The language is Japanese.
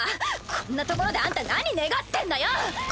こんな所であんた何ネガってんのよ！